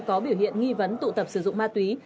có biểu hiện nghi vấn tụ tập sử dụng ma túy